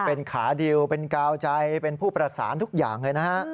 เป็นขาดิวเป็นกาวใจเป็นผู้ประสานทุกอย่างเลยนะฮะ